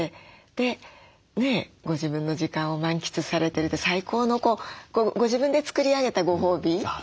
でご自分の時間を満喫されてるって最高のご自分で作り上げたご褒美だなと思って。